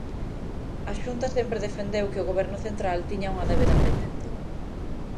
A Xunta sempre defendeu que o Goberno central tiña unha débeda pendente.